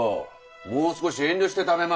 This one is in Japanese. もう少し遠慮して食べま